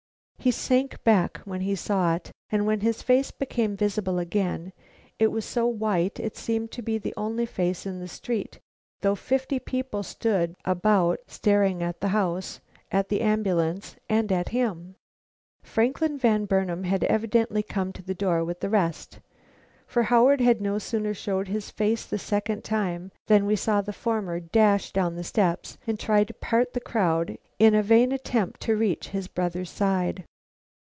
He sank back when he saw it, and when his face became visible again, it was so white it seemed to be the only face in the street, though fifty people stood about staring at the house, at the ambulance, and at him. Franklin Van Burnam had evidently come to the door with the rest; for Howard no sooner showed his face the second time than we saw the former dash down the steps and try to part the crowd in a vain attempt to reach his brother's side.